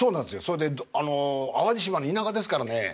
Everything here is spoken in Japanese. それであの淡路島の田舎ですからね。